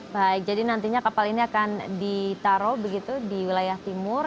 baik jadi nantinya kapal ini akan ditaruh begitu di wilayah timur